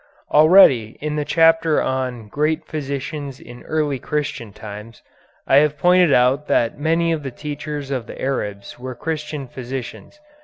Already, in the chapter on "Great Physicians in Early Christian Times," I have pointed out that many of the teachers of the Arabs were Christian physicians.